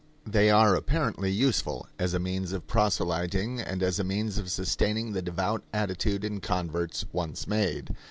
They are apparently useful as a means of proselyting, and as a means of sustaining the devout attitude in converts once made.